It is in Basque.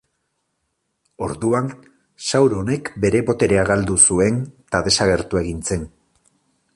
Orduan, Sauronek bere boterea galdu zuen eta desagertu egin zen.